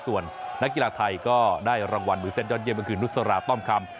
ส่วนนักกีฬาไทยก็ได้รางวัลมือเส้นยอดเยี่ก็คือนุสราต้อมคำ